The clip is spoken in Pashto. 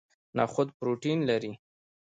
نخود پروتین لري